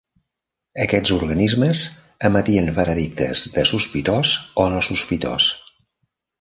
Aquests organismes emetien "veredictes" de sospitós o no sospitós.